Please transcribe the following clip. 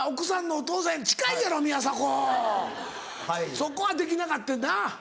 そこはできなかってんな？